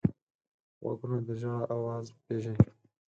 غوږونه د ژړا اواز پېژني